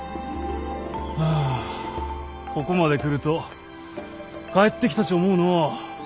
ああここまで来ると帰ってきたち思うのう。